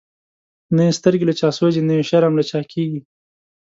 نه یی سترګی له چا سوځی، نه یی شرم له چا کیږی